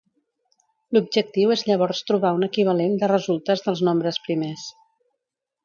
L'objectiu és llavors trobar un equivalent de resultes dels nombres primers.